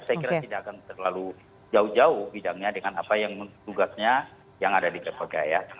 saya kira tidak akan terlalu jauh jauh bidangnya dengan apa yang tugasnya yang ada di kpk ya